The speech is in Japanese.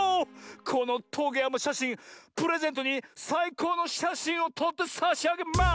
このトゲやまシャシンプレゼントにさいこうのしゃしんをとってさしあげます！